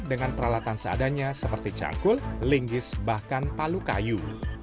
dengan peralatan seadanya seperti cangkul linggis bahkan palu kayu